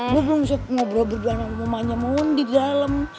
gue belum siap ngobrol berdua nanggung manja mau undi di dalem